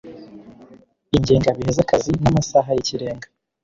ingengabihe z akazi n amasaha y ikirenga